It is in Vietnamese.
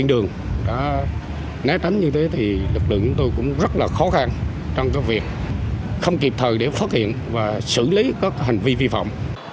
nếu tránh như thế thì lực lượng của tôi cũng rất là khó khăn trong các việc không kịp thời để phát hiện và xử lý các hành vi vi phạm